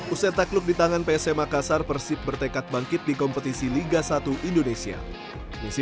usetakluk ditangan psm makassar persib bertekad bangkit di kompetisi liga satu indonesia misi